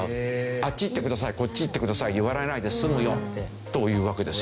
あっち行ってくださいこっち行ってください言われないで済むよというわけですよね。